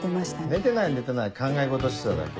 寝てない寝てない考え事してただけ。